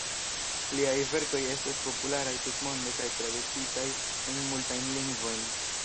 Liaj verkoj estas popularaj tutmonde kaj tradukitaj en multajn lingvojn.